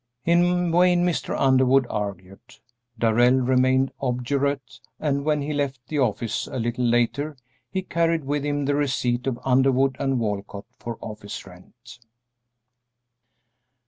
In vain Mr. Underwood argued; Darrell remained obdurate, and when he left the office a little later he carried with him the receipt of Underwood & Walcott for office rent.